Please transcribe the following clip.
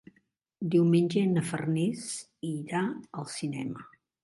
Diumenge na Farners irà al cinema.